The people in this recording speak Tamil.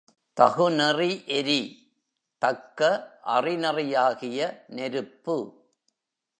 தகுநெறி எரி—தக்க அறநெறியாகிய நெருப்பு.